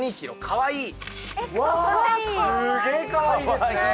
かわいい。